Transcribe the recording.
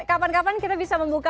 kapan kapan kita bisa membuka